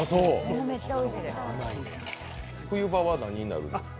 冬場は何になるんですか？